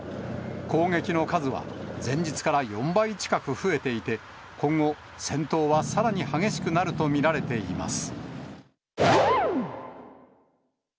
攻撃の数は前日から４倍近く増えていて、今後、戦闘はさらに激しくなると見られています。